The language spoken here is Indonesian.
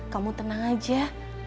kamu tenang aja